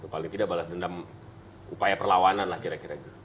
paling tidak balas dendam upaya perlawanan lah kira kira gitu